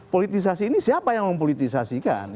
politisasi ini siapa yang mempolitisasikan